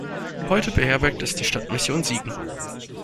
Heute beherbergt es die Stadtmission Siegen.